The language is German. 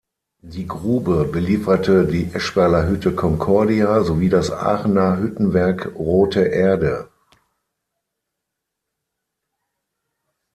Die Grube belieferte die Eschweiler Hütte "Concordia" sowie das Aachener Hüttenwerk Rothe Erde.